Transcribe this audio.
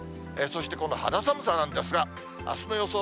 そしてこの肌寒さなんですが、あすの予想